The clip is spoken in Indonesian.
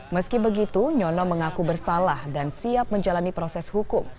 meski begitu nyono mengaku bersalah dan siap menjalani proses hukum